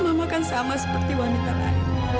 mama kan sama seperti wanita lain